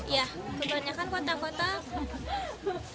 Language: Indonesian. ya kebanyakan kotak kotak